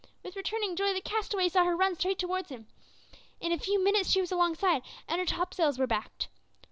With returning joy the castaway saw her run straight towards him. In a few minutes she was alongside, and her topsails were backed.